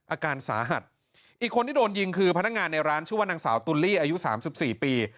อาการสาหัสอีกคนที่โดนยิงคือพนักงานในร้านชื่อว่านางสาวตุลลี่อายุสามสิบสี่ปี